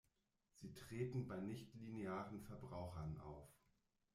Sie treten bei nichtlinearen Verbrauchern auf.